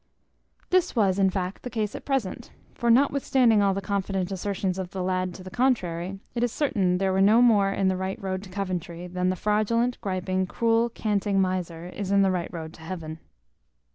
This was, in fact, the case at present; for, notwithstanding all the confident assertions of the lad to the contrary, it is certain they were no more in the right road to Coventry, than the fraudulent, griping, cruel, canting miser is in the right road to heaven.